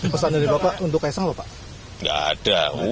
pesan dari bapak untuk ks angpangarap